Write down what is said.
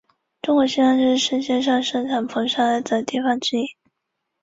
中国西藏是世界上盛产硼砂的地方之一。